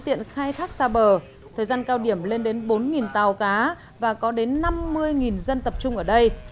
tiện khai thác xa bờ thời gian cao điểm lên đến bốn tàu cá và có đến năm mươi dân tập trung ở đây